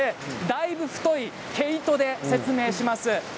だいぶ太い毛糸でご説明します。